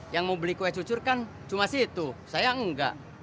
yang mau beli kue cucur kan cuma situ saya enggak